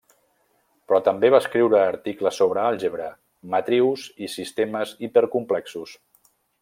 Però també va escriure articles sobre àlgebra, matrius i sistemes hipercomplexos.